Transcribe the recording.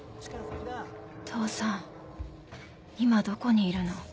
父さん今どこにいるの？